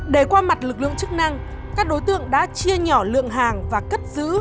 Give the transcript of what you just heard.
để qua mặt lực lượng chức năng các đối tượng đã chia nhỏ lượng hàng và cất giữ